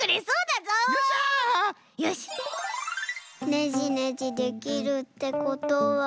ねじねじできるってことは。